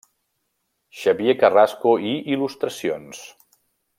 Xavier Carrasco i il·lustracions: